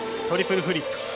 トリプルフリップ。